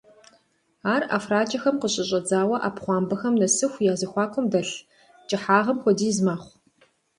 Ар ӀэфракӀэм къыщыщӀэдзауэ Ӏэпхъуамбэпэхэм нэсыху я зэхуакум дэлъ кӀыхьагъым хуэдиз мэхъу.